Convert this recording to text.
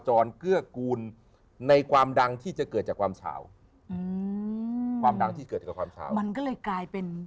จรเกื้อกูลในความดังที่จะเกิดจากความสาวมันก็เลยกลายเป็น